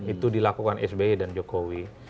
itu dilakukan sby dan jokowi